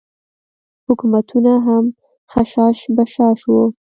حکومتونه هم خشاش بشاش وو.